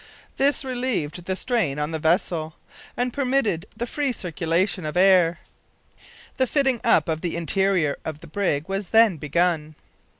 This relieved the strain on the vessel, and permitted the free circulation of air. The fitting up of the interior of the brig was then begun.